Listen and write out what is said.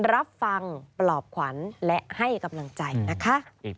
รับฟังปลอบขวัญและให้กำลังใจนะคะ